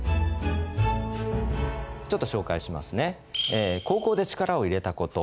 ちょっと紹介しますね。